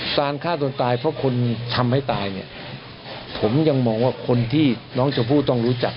ฆ่าตนตายเพราะคนทำให้ตายเนี่ยผมยังมองว่าคนที่น้องชมพู่ต้องรู้จัก